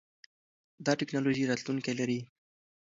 دا ټکنالوژي راتلونکی لري.